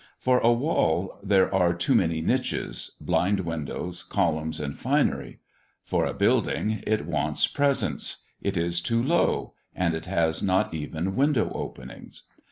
For a wall there are too many niches, blind windows, columns, and finery; for a building it wants presence; it is too low, and has not even window openings.